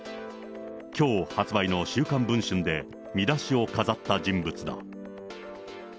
きょう発売の週刊文春で、見出しを飾った人物だ。